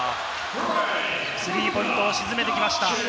スリーポイントを沈めてきました。